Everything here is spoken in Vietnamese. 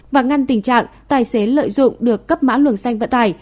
và ngăn tình trạng tài xế lợi dụng được cấp mã luồng xanh vận tải